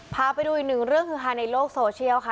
พาไปดูอีกหนึ่งเรื่องคือฮาในโลกโซเชียลค่ะ